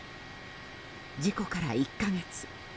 事故から１か月。